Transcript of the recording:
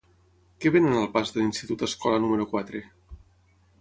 Què venen al pas de l'Institut Escola número quatre?